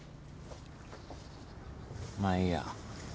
まあいいや。